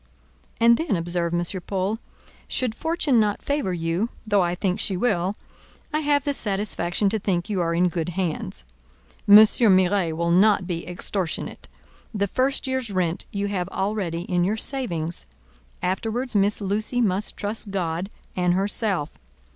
"And then," observed M. Paul, "should fortune not favour you, though I think she will, I have the satisfaction to think you are in good hands; M. Miret will not be extortionate: the first year's rent you have already in your savings; afterwards Miss Lucy must trust God, and herself.